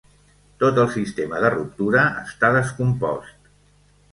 Tot el sistema de ruptura està descompost.